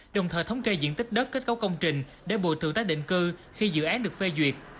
đồng thời thống kê diện tích đất kết cấu công trình để bùi thường tác định cư khi dự án được phê duyệt